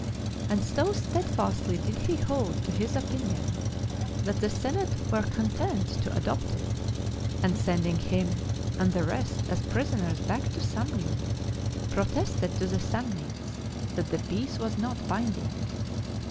And so steadfastly did he hold to this opinion, that the senate were content to adopt it, and sending him and the rest as prisoners back to Samnium, protested to the Samnites that the peace was not binding.